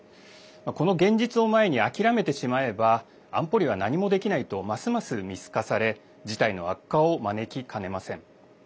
この現実を前に諦めてしまえば安保理は何もできないとますます見透かされ事態の悪化を招きかねません。